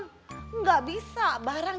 gak bisa barangnya udah berhiasan dong disitu